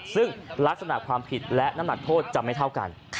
ซึ่งลักษณะความผิดและน้ำหนักโทษจะไม่เท่ากัน